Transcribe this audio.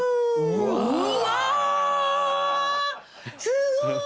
すごい！